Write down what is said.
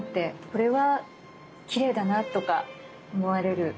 これはキレイだなとか思われる。